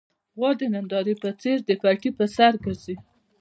غوا د نندارې په څېر د پټي پر سر ګرځي.